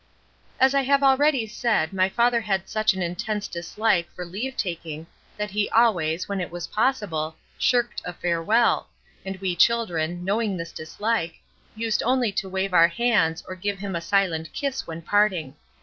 As I have already said my father had such an intense dislike for leave taking that he always, when it was possible, shirked a farewell, and we children, knowing this dislike, used only to wave our hands or give him a silent kiss when parting.